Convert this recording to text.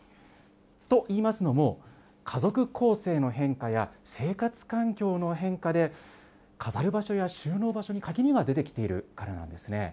といいますのも、家族構成の変化や、生活環境の変化で、飾る場所や収納場所に限りが出てきているからなんですね。